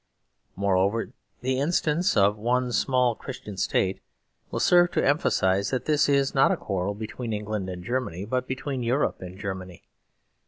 Moreover, the instance of one small Christian State will serve to emphasise that this is not a quarrel between England and Germany, but between Europe and Germany.